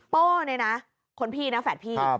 โป้เนี่ยนะคนพี่นะแฝดพี่